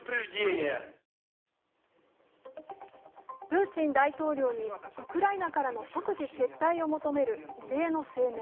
プーチン大統領にウクライナからの即時撤退を求める異例の声明。